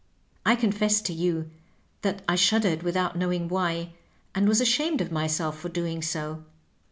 I confess to you that I shuddered without knowing why, and was ashamed of myself for doing so.